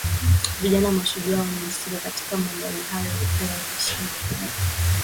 vijana mashujaa wanaohusika katika mauaji hayo hupewa heshima kubwa